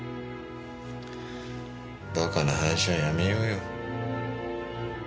バカな話はやめようよ。